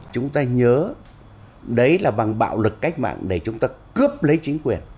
chúng ta nhớ đấy là bằng bạo lực cách mạng để chúng ta cướp lấy chính quyền